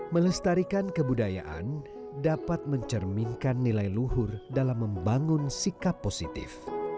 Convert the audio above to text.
melestarikan kebudayaan dapat mencerminkan nilai luhur dalam membangun sikap positif